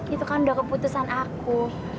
itu kan udah keputusan aku